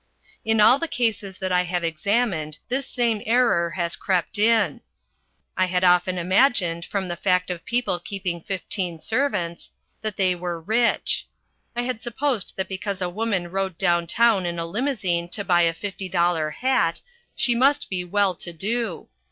In all the cases that I have examined this same error has crept in. I had often imagined, from the fact of people keeping fifteen servants, that they were rich. I had supposed that because a woman rode down town in a limousine to buy a fifty dollar hat, she must be well to do.